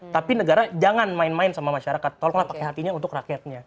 tapi negara jangan main main sama masyarakat tolonglah pakai hatinya untuk rakyatnya